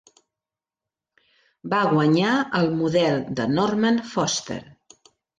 Va guanyar el model de Norman Foster.